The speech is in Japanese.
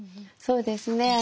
そうですね。